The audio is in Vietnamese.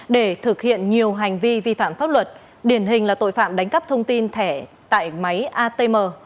để thực hiện nhiều hành vi vi phạm pháp luật điển hình là tội phạm đánh cắp thông tin thẻ tại máy atm